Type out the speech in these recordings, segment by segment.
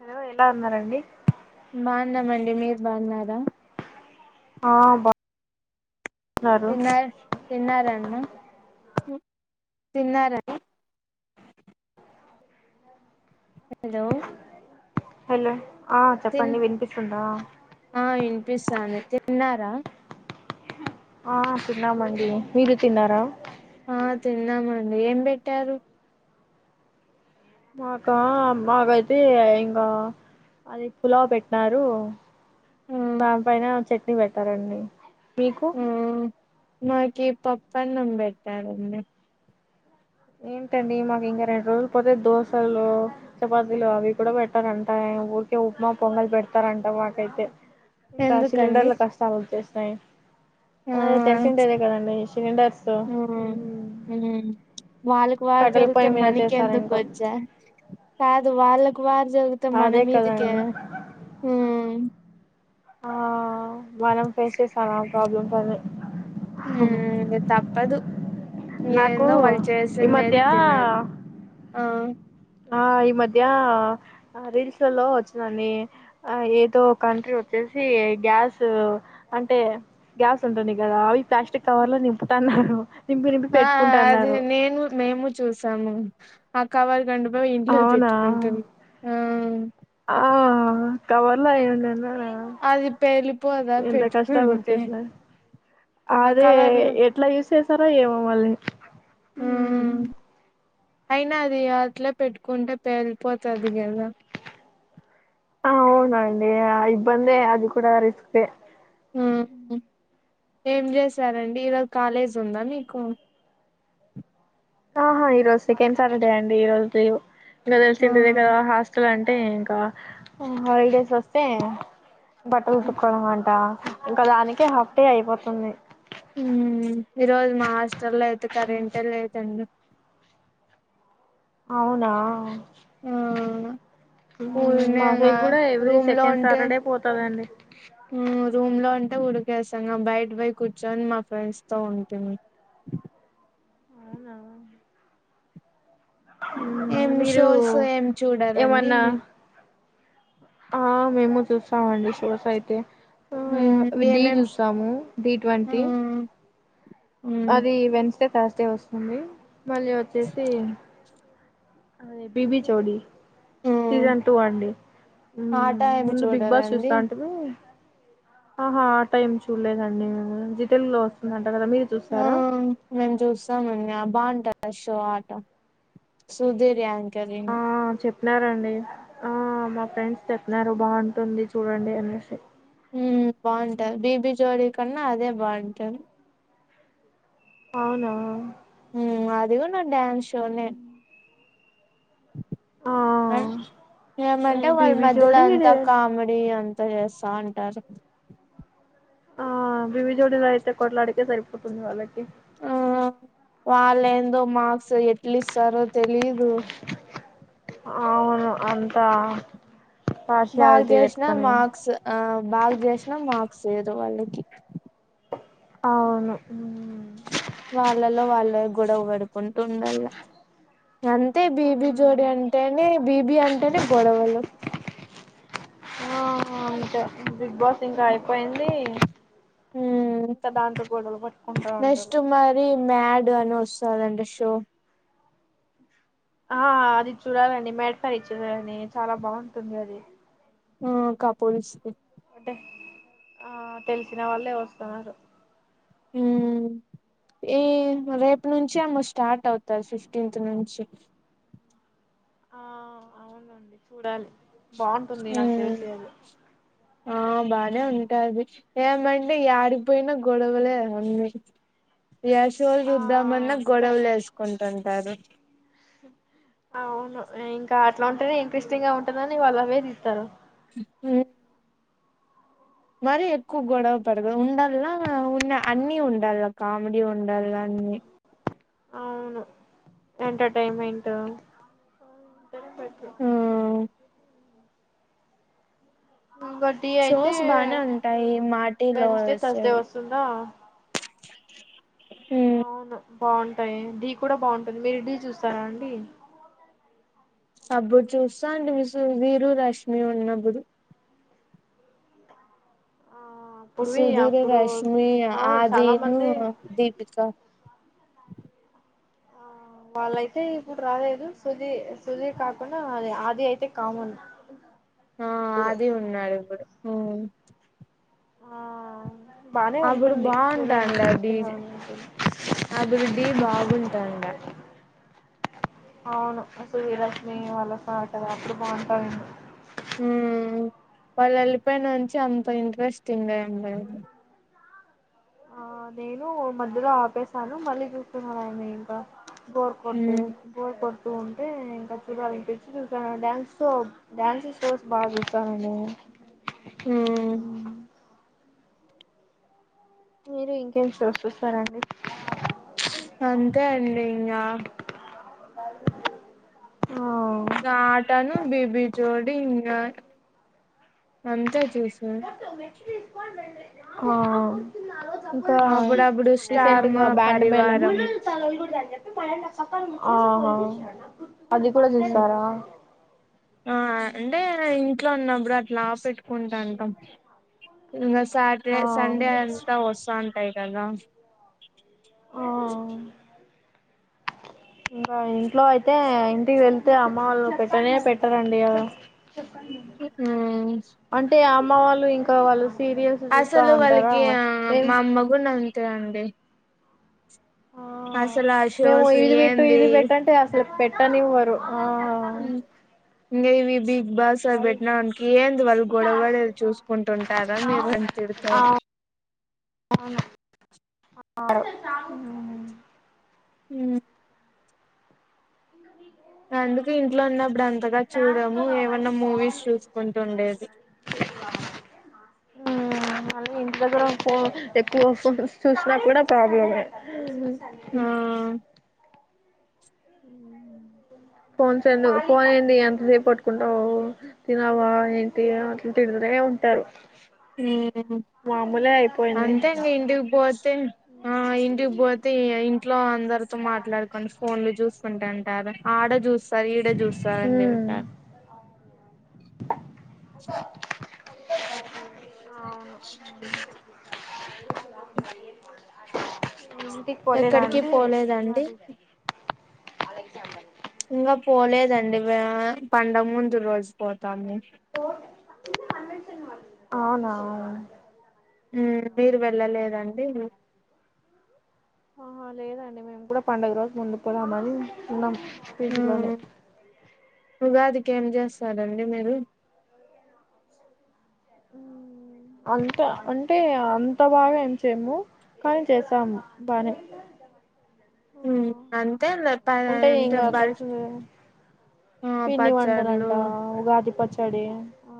Hello ఎలా ఉన్నారండి బాన్నామండి మీరు బాన్నారా ఆ బ తిన్నారా తిన్నారాన్నా తిన్నారా హలో హలో ఆ తిన్ చెప్పండి వినిపిస్తుందా ఆ వినిపిస్తాంది తిన్నారా ఆ తిన్నామండి మీరు తిన్నారా ఆ తిన్నామండి ఏం బెట్టారు మాకా మాగైతే ఇంగా అది పులావ్ బెట్టినారు ఆ దాని పైన చట్నీ పెట్టారండి మీకు ఆ మాకి పప్పు అన్నం బెట్టారండి ఏంటండి మాకు ఇంకా రెండు రోజులు పోతే దోశలు చపాతీలు అవి కూడా పెట్టరంట ఊరికే ఉప్మా పొంగల్ పెడతార అంట మాకైతే ఇంకా ఎందుకండి సిలిండర్లు కష్టాలు వచ్చేసినయ్ ఆ అదే ఆ తెలిసిండేదే కదండి సిలిండర్స్ తో ఉమ్ వాళ్ళకి వార్ జరిగితే మనకి ఎందుకు వచ్చా కాదు వాళ్ళకు వార్ జరిగితే అదే మన మీదికా కదండి ఉమ్ ఆ మనం ఫేస్ చేస్తన్నాం ప్రాబ్లమ్స్ అని ఉమ్ తప్పదు నాకు ఏందో వాళ్ళు ఈ చేసిండేది మధ్యా తిన్నారు ఆ ఆ ఈ మధ్య రీల్స్ లలో వచ్చినాన్ని ఆ ఏదో కంట్రీ వచ్చే సి గ్యాస్ అంటే గ్యాస్ ఉంటుంది కదా అవి ప్లాస్టిక్ కవర్ లో నింపుతనార్ ఆ నింపి నింపి ఆ అది పెట్టుకుంటన్నారు నేను మేము చూసాము ఆ కవర్ గండు ఇంట్లో అవునా పెట్టుకుంటుంది ఆ ఆ కవర్లో ఏం దిన్నార అది పేలిపోదా కష్టాలు పెట్టుకుంటే వచ్చేసినాయి ఆ అదే కవర్ ఎట్లా యూస్ చేసారో ఏమో మళ్ళీ హ్మ్ అయినా అది అట్లే పెట్టుకుంటే పేలిపోతది గదా ఆ అవునండి ఇబ్బందే అది కూడా రిస్కే ఏం జేశారండి ఈరోజు కాలేజ్ ఉందా మీకు ఆహా ఈ రోజు సెకండ్ సాటర్డే అండి ఈ రోజు లీవ్ ఇగ ఆ తెలిసింది ఇదే కదా హాస్టల్ అం టే ఇంకా హాలిడేస్ వస్తే బట్టలు తుక్కోవడం అంట ఇంక దానికే హాఫ్ డే అయిపోతుంది ఈ రోజు మా హాస్టల్ లో అయితే కరెంటే లేదండి అవునా ఆ మ్మ్, మా ఊల్నేగా సైడ్ కూడా ఎవ్రీ రూమ్ లో సెకండ్ ఉంటే సాటర్డే పోతదండి మ్ రూమ్ లో ని అంటే ఉడికేసనం బయట బోయ్ కూర్చొని మా ఫ్రెండ్స్ తో ఉంటున్న అవునా? మ్మ్, ఏం మీరు షోస్ ఏం చూడారండి ఏమన్నా మీ ఆ మేము చూస్తామండి సోస్ అయితే మ్మ్ డి ఏమేం ష్- చూస్తాము డి ఆ ట్వంటీ మ్మ్ అది వెన్స్డే థాస్డే వస్తుంది మళ్ళీ వచ్చేసి అది బిబి జోడి మ్మ్ సీజన్ టూ అండి ఆట ఏమి ముందు బిగ్ బాస్ చూడరండి చూస్తాంటిమి ఆహా టైమ్ చూడలేదండి జి తెలుగులో వస్తుంద ఆ మేము చూస్తామండి ఆ బాగుంటారుషో ఆట సుధీర్ ఆ యాంకరింగ్ చెప్పినారండి ఆ మా ఫ్రెండ్స్ చెప్పినారు బాగుంటుంది చూడండి అనేసి ఉమ్ బావుంట బీబీ జోడీ కన్నా అదే బావుంటది అవునా ఉమ్ అది కూడా నా డ్యాన్స్ షోనే ఆ ఏమంటే వాళ్ళ బీబీ మధ్యలో జోడి అంతా కామెడీ అంత చేస్తా అంటారు ఆ బీబీజోడిలో అయితే కొట్లాడికే సరిపోతుంది వాళ్ళకి వాళ్ళు ఏందో మార్క్స్ ఎట్లు ఇస్తారో తెలీదు అవును అంతా బాగ పార్షియాలిటీ చేసినా పెట్టుకొని మార్క్స్ ఆ బాగా చేసినా మార్క్స్ సేదు వాళ్ళకి అవును వాళ్ళలో వాళ్ళ గొడవ పడుకుంటు ఉండాల అంతే బీబీ జోడి అంటేనే బీబీ అంటేనే గొడవలు ఆ అంటే బిగ్ బాస్ ఇంకా అయిపోయింది హ ఇంకా దాంతో గొడవలు పట్టుకుంటా ఉంటారు నెస్ట్ మరి మ్యాడ్ అను వొస్తుంది అంట షో ఆ అది చూడాలండి మేడ్ ఫర్ ఈచ్ అదర్ చాలా బాగుంటుంది అది ఆ కపుల్స్ ది అంటే ఆ తెలిసిన వాళ్ళే వస్తున్నారు ఉమ్ ఈ రేపు నుంచి ఏమ్మో స్టార్ట్ అవుతాది ఫిఫ్టీన్త్ నుంచి ఆ అవునండి చూడాలి బాగుంటుంది నాకు మ్మ్ తెలిసే అది ఆ బానే ఉంటది ఏమంటే ఏడిపోయినా గొడవలే ఉంది ఏ షో ఆ చూద్దామన్నా అంతే గొడవలు వేసుకుంటుంటారు అవును ఇంకా అట్లా ఉంటనే ఇంట్రెస్టింగ్ గా ఉంటందని వాళ్ళు అవే తీస్తారు హు మరి ఎక్కువ గొడవ పడదు ఉండాలా ఉన్న అన్ని ఉండాల్ల కామెడీ ఉండాల్ల ఉ అవును ఎంటర్టైన్మెంటు ఊ ఇంకోటి అయితే షోస్ బానే ఉంటాయి మాటీ లో వెన్స్డే థర్స్డే వస్తుందా అవును బాగుంటాయి ఢీ కూడా బాగుంటుంది మీరు డీ చూస్తారా అండి అపూడు చూస్తాండీ మీ సుదీరు రష్మి ఉన్నప్పుడు ఆ అప్పుడువి సుధీర్ అప్పుడు రష్మి అవును చాలా ఆదీను మంది దీపిక ఆ వాళ్ళైతే ఇప్పుడు రాలేదు సుధీ సుధీర్ కాకుండా ఆది ఆది అయితే కామన్ ఆ అది ఉన్నాడు ఇప్పుడు ఉ ఆ బానే అప్పుడు ఉంటుంది చూడండి బాగుంటాండ్యా డీ ఇంట్రెస్టింగ్ గా ఉంటుంది అప్పుడు డీ బాగుంటాండ్యా అవును సుదీర్ రష్మీ వాళ్ల పాట అప్పుడు బాగుంటాండ్యా వాళ్ళు వెళ్ళిపోయినుంచి అంత ఇంట్రెస్టింగ్ ఎమ్ లేదు ఆ నేను మధ్యలో ఆపేశాను మళ్ళీ చూస్తున్నాను ఆయన ఇంకా బోర్కోటె బోర్కో చూస్తూ ఉంటే ఇంకా చూడలనిపించి చూసాను డ్యాన్స్ షో డ్యాన్స్ షోస్ బాగా చూస్తానండి ఉమ్ ఉ మీరు ఇంకేమి చూసిస్తారండి అంతే అండి ఇంగా ఆ ఆటాను బీబీ జోడి ఇంగా అంతే చూసేది ఆ ఇంకా అప్పుడప్పుడు స్టార్ రీసెంట్ గా మా బ్యాండ్ మేళమ్ పరివారం అహహ ఉ ఆ అంటే ఈ ఇంట్లో ఉన్నప్పుడు అట్లా ఆ పెట్టుకుంటాంటాం సాటర్డే ఆ సండే అంతా వస్తాంటాయ్ కదా ఆ ఇంకా ఇంట్లో అయితే ఇంటికి వెళ్తే అమ్మ వాళ్ళు పెట్టనే పెట్టారండి అ చెప్పండి ఉమ్ అంటే అమ్మ వాళ్ళు ఇంకా వాళ్ళు సీరియల్స్ చూస్తా అసలు ఉంటారా వాళ్ళకి మేం మా అమ్మగున అంతే అండి ఆ అసలు ఆ మేము షోస్ ఇది పెట్టు ఇది ఏంది పెట్టంటే అసలు పెట్టని ఇవ్వరు ఉ ఎంగేవి బి బాస్ వాళ్ళు పెట్టిన వానికి ఏంది వాళ్ళు గొడవడేది చూసుకుంటుంటారా మీరు అని తిడతారు అవును అ వును ఉ అందుకె ఇంట్లో ఉన్నప్పుడు అం చక్కగా చూడము ఏమన్నా మూవీస్ చూసుకుంటూ ఉండేది మళ్ళీ ఇంట్లో కూడా ఫో ఎక్కువ ఫోన్ చూసినా కూడా ప్రాబ్లమే థాంక్ యు ఆ ఫోన్స్ందు ఫోన్ ఎంది అంత సేపు పట్టుకుంటావ్ తినవా ఏంటి అంటిదే నే ఉంటారు అ మామూలే అయిపోయింది అంతే అండి ఇంటికి పోతే ఆ ఇంటికి పోతే ఇట్ లో అందరితో మాట్లాడుకని ఫోన్లు చూసుకుంటంటారు ఆడ చూస్తారు ఈడ చూస్త సారంం ఉమ్ దవస వ ఓకే కి పోలేద అండి పోలేదండి అ ఇంకా పోలేదండి పండ ముందు రోజు పోతాము అవునా అవును మీరు వెళ్ళలేదండి లేదండి మేము కూడా పండుగ రోజు ముందు పోదామని ఉున్నాం పజలోనే వేదిక ఏమి చేస్తారండి మీరు అంత అంటే అంత బాగా ఏం చేయము కానీ చేసాము బానే అంతే ప అంటే బర్ పిన్ని వంటనంట ఉగాది పచ్చ చెడి ఆ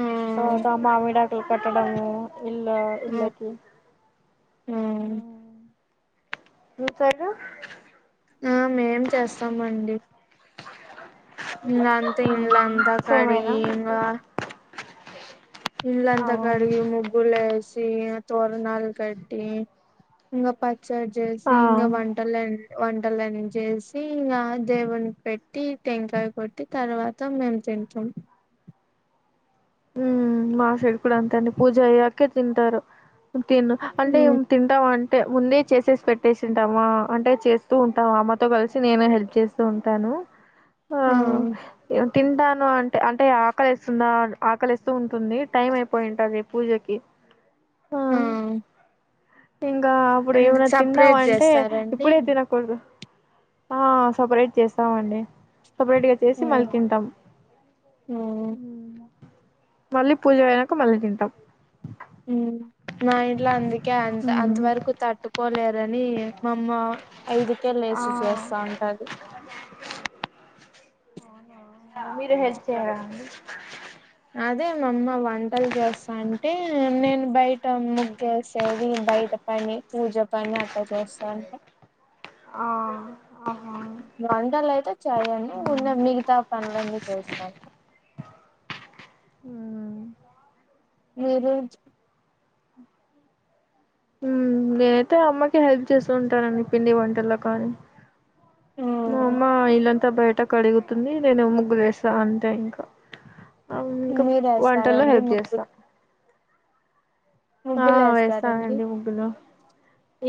ఆ తర్వాత మామి డాకులు కట్టడము ఇలా ఆ, ఇలాకి ఆ. మీ స ఆ మేం చేస్తామండి ఇ అంత ఇంల అంతా కడి సేమేనా ఇంగా ఆ ఇల్ంతా కడిగి ముగ్గులే తోరణాలు కట్టి ఇంకా పచ్చడి చేసి ఇంకా వంటలు వంటలన్న చేసి ఇంకా దేవుని పెట్టి టెంకాయ కొట్టి తర్వాత మేము తింటాం ఉ మా సైడ్ డి కూడా అంతే అండి పూజ అయ్యాకే తింటారు తిను అంటే ఏం ఉమ్, తింటాం అ అంటే ముందే చేసేసి పెట్టేసింటామా అంటే చేస్తూ ఉంటాం అమ్మతో కలిసి నేను హెల్ప్ చేస్తూ ఉంటాను [unintelligible] ఆ తింటాను అంటే అంటే ఆకలి వస్తుందాఅని ఆకలిస్తూ ఉంటుంది టైం అయిపోయింట అది పూజకి ఆ ఇంకా అప్పుడు అండ్ ఏమనా తిందావా సపరేట్ అంటే చేస్తారండి ఇప్పుడే తినకూడదు ఆ సపరేట్ చేస్తామండి సపరేట్ గా చేసి మళ్ళ ఉమ్ తింటాం ఉమ్ మళ్ళీ పూజ అయినాక మళ్ళీ తింటాం మా ఇంట్లో అందుకే అంత అంతవరకు తట్టుకోలేరని మా అమ్మ ఐదుకేళ ఆ వేసు చేస్తా ఉంటది మీరు హెల్ప్ చేయ్యాలండి అదే మామ్మ వంటలు చేస్తా అంటే న నేను బయట ముగ్గేసేది బయట పని పూజ పని అట్లా చేస్తాంటే ఆ ఆహా వంటలు అయితే చేయంను ఉన్నా మిగతా పనులన్నీ చేస్తాను [inaudible] మీరుజ నేనైతే అమ్మకి హెల్ప్ చేస్తు ఉంటానండి పిండి వంటల్లో కానీ మా ఉమ్ అమ్మ ఇల్లంతా బయట కడుగుతుంది. నేను ముగ్గులేసా అంటే ఇంకా. ఇంకా వంటల్లో మీరేస్తారండి హెల్ప్ ముగ్గు చేస్తా. ఆ ముగ్గులు వేస్తారండి వేస్తాదండి ముగ్గులో.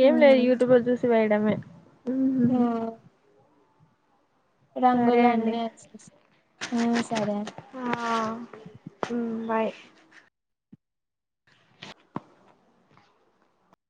ఏం లేదు యూట్యూబ్ లో చూసి వేయడమే. ఆ, సరే రంగులు అండి అన్నీ వచ్చి ఆ బాయ్.